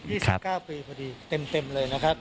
๒๙ปีพอดีเต็มเลยนะครับ